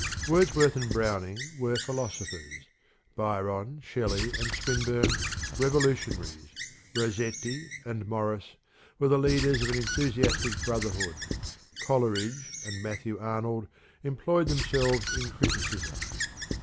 217 Wordsworth and Browning were philosophers, Byron, Shelley, and Swinburne revolutionaries, Rossetti and Morris were the leaders of an enthusiastic brother hood, Coleridge and Matthew Arnold employed them selves in criticism.